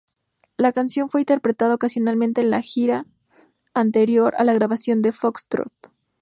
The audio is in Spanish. La canción fue interpretada ocasionalmente en la gira anterior a la grabación de Foxtrot.